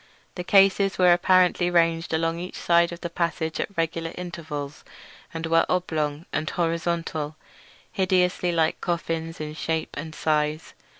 The cases were apparently ranged along each side of the passage at regular intervals, and were oblong and horizontal, hideously like coffins in shape and size.